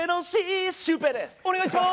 お願いします！